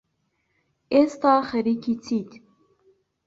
ئێستا خەریکی چیت؟